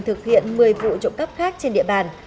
thực hiện một mươi vụ trộm cắp khác trên địa bàn